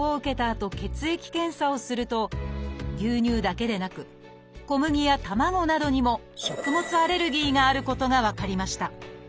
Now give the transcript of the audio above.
あと血液検査をすると牛乳だけでなく小麦や卵などにも食物アレルギーがあることが分かりました。